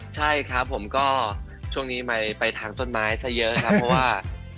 ใช่ครับผมก็ช่วงนี้ไม่ไปทางต้นไม้ซะเยอะครับเพราะว่า